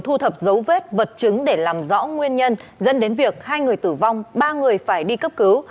thu thập dấu vết vật chứng để làm rõ nguyên nhân dẫn đến việc hai người tử vong ba người phải đi cấp cứu